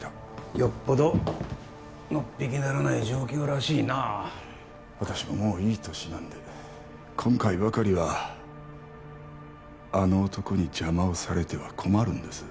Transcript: よっぽどのっぴきならない状況らしいな私ももういい年なんで今回ばかりはあの男に邪魔をされては困るんです